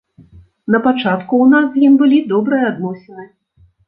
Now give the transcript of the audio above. На пачатку ў нас з ім былі добрыя адносіны.